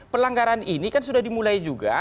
pelanggaran ini kan sudah dimulai juga